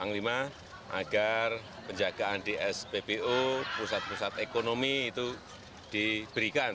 panglima agar penjagaan di spbu pusat pusat ekonomi itu diberikan